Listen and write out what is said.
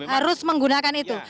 harus menggunakan itu